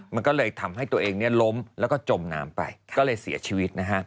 มันก็เลยทำให้ตัวเองล้มแล้วก็จมน้ำไปก็เลยเสียชีวิตนะฮะ